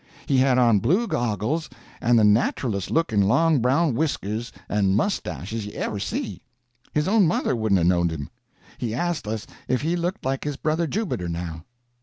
He had on blue goggles and the naturalest looking long brown whiskers and mustashes you ever see. His own mother wouldn't 'a' knowed him. He asked us if he looked like his brother Jubiter, now.